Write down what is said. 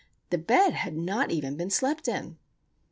The bed had not even been slept in.